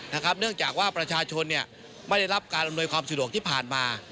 เนื่องจากว่าประชาชนไม่ได้รับการอำนวยความสะดวกที่ผ่านมา